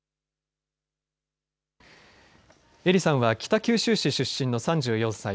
英利さんは北九州市出身の３４歳。